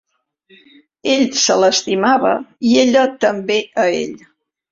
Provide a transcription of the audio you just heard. Ell se l'estimava, i ella també a ell.